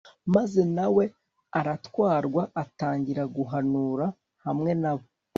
maze na we aratwarwa, atangira guhanura hamwe na bo